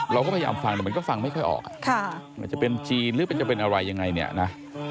เราก็พยายามฟังแต่มันก็ฟังไม่ค่อยออกมันจะเป็นจีนหรือมันจะเป็นอะไรยังไงเนี่ยนะ